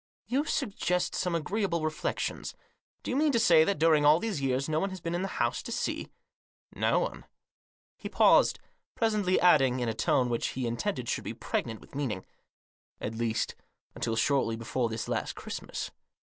" You suggest some agreeable reflections. Do you mean to say that, during all these years, no one has been in the house to see ?"" No one." He paused ; presently adding, in a tone which he intended should be pregnant with meaning, "At least, until shortly before this last Christmas.